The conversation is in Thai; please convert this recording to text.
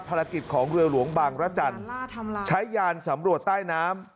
ภารกิจของเรือหลวงบางรจันทร์ใช้ยานสำรวจใต้น้ำ